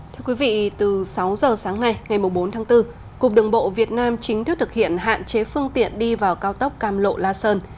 thưa quý vị từ sáu giờ sáng ngày ngày bốn tháng bốn cục đường bộ việt nam chính thức thực hiện hạn chế phương tiện đi vào cao tốc cam lộ la sơn